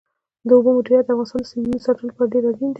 د اوبو مدیریت د افغانستان د سیندونو د ساتنې لپاره ډېر اړین دی.